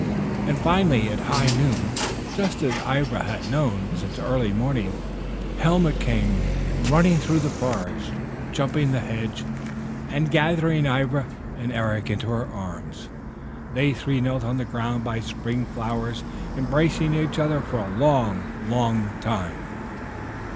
And finally, at high noon, just as Ivra had known she would since early morning, Helma came, running through the forest, jumping the hedge, and gathering Ivra and Eric into her arms. They three knelt on the ground by the spring flowers embracing each other for a long, long minute.